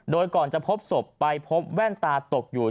โดยก่อนจะพบศพไปพบแว่นตาตกอยู่